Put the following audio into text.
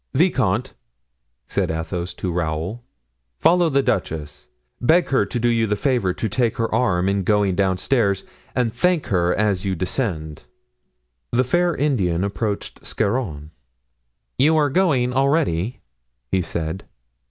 "Vicomte," said Athos to Raoul, "follow the duchess; beg her to do you the favor to take your arm in going downstairs, and thank her as you descend." The fair Indian approached Scarron. "You are going already?" he said.